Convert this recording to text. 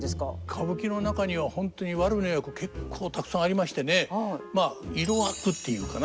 歌舞伎の中には本当にワルの役結構たくさんありましてねまあ色悪っていうのかな。